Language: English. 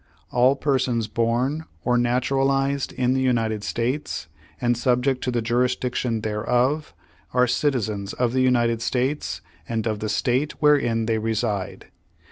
All persons born or naturalized in the United States, and subject to the jurisdiction thereof, are citizens of the United States and of the State wherein they reside.